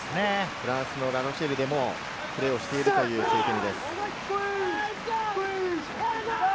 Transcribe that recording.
フランスのラ・ロシェルでもプレーしている選手です。